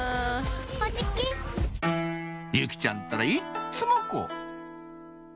「由季ちゃんったらいっつもこう！」